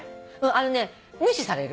あのね無視される。